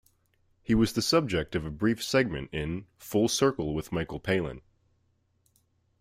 He was the subject of a brief segment in "Full Circle with Michael Palin".